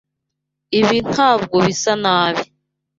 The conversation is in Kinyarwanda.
Ibi ntabwo bisa nabi.